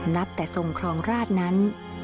นับแต่ทรงครองราชนั้น